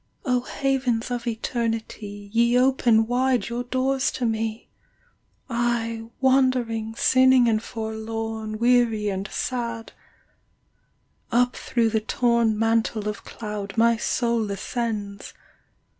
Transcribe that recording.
O Havens of Eternity, Ye open wide your doors to me. I, wandering, sinning and forlorn, Weary and sad. — Up through the torn Mantle of cloud my soul ascends.